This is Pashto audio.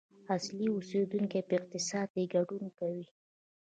اصلي اوسیدونکي په اقتصاد کې ګډون کوي.